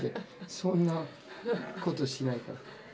そんなことしないから。